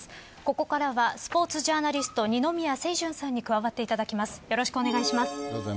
ここからはスポーツジャーナリスト二宮清純さんに加わっていただきます。